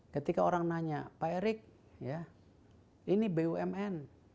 ketika orang nanya pak erik ya ini bumn